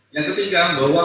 yang ketiga bahwa